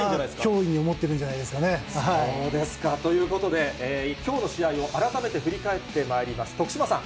脅威に思ってるんじゃないでそうですか。ということで、きょうの試合を改めて振り返ってまいります。